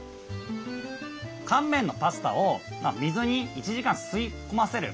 乾麺のパスタを水に１時間吸い込ませる。